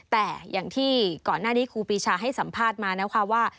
แต่อย่างที่ก่อนหน้านี้ครูปีชาให้สัมภาษณ์มานะคะว่า